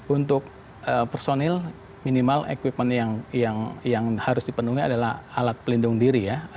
untuk personel minimal equipment yang yang yang harus dipenuhi adalah alat pelindung diri ya